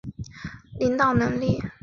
我也准备好要发挥更大的领导能力。